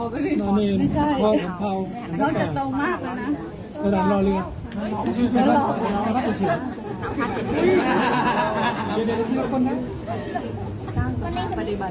คุณหอคค่ะชื่ออะไรครับขอชื่อการให้พิมพ์ลงไปในกลุ่ม